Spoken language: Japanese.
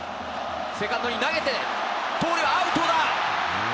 セカンドに投げて、盗塁はアウトだ！